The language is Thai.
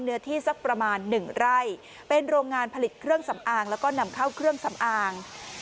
เนื้อที่สักประมาณหนึ่งไร่เป็นโรงงานผลิตเครื่องสำอางแล้วก็นำเข้าเครื่องสำอาง